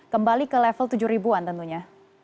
kembali ke level tujuh ribu an tentunya